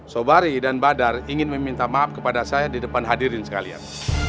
sobari dan badar ingin meminta maaf kepada saya di depan hadirin sekalian